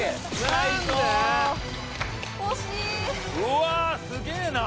うわすげえな。